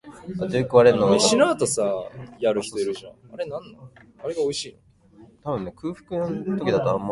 北海道厚真町